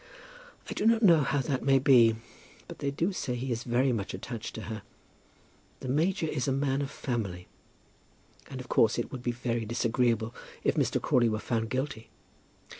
"I do not know how that may be; but they do say he is very much attached to her. The major is a man of family, and of course it would be very disagreeable if Mr. Crawley were found guilty."